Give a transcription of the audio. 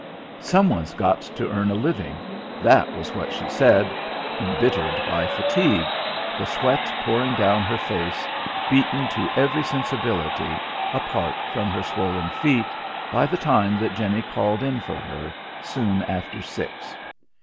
"Some one's got to earn a living!" that was what she said, embittered by fatigue, the sweat pouring down her face, beaten to every sensibility, apart from her swollen feet, by the time that Jenny called in for her, soon after six.